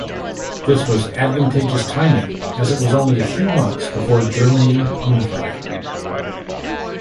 This was advantageous timing, as it was only a few months before Germany unified.